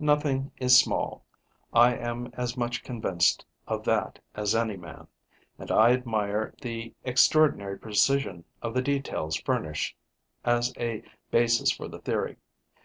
Nothing is small: I am as much convinced of that as any man; and I admire the extraordinary precision of the details furnished as a basis for the theory.